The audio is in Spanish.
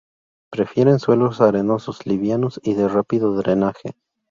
Prefieren suelos arenosos, livianos y de rápido drenaje.